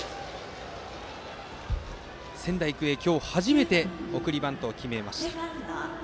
仙台育英、今日初めて送りバントを決めました。